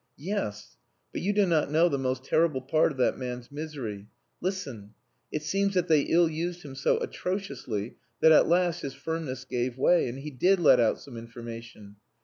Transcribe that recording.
"Yes. But you do not know the most terrible part of that man's misery. Listen. It seems that they ill used him so atrociously that, at last, his firmness gave way, and he did let out some information.